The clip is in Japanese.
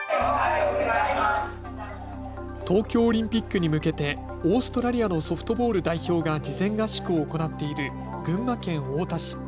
東京オリンピックに向けてオーストラリアのソフトボール代表が事前合宿を行っている群馬県太田市。